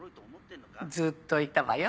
ずっといたわよ。